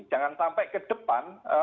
jangan sampai ke depan